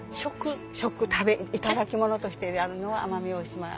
いただきものとしてあるのは奄美大島。